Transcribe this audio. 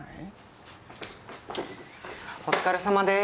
お疲れさまです。